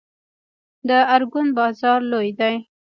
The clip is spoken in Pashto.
د ارګون بازار لوی دی